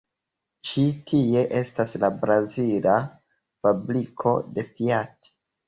Ĉi tie estas la brazila fabriko de Fiat.